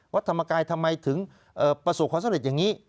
วัดธรรมกายทำไมถึงประสงค์ขอเสล็จอย่างนี้